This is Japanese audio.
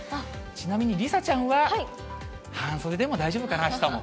ちなみに梨紗ちゃんは、半袖でも大丈夫かな、あしたも。